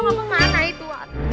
gak tau apa mana itu